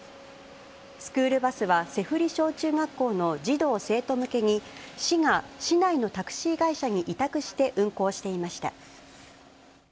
スクールバスは脊振小中学校の児童・生徒向けに、市が市内のタクシー会社に委託して運行していました。